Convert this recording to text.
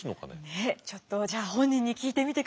ねえちょっとじゃあ本人に聞いてみてください。